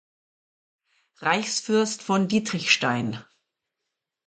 Reichsfürst von Dietrichstein.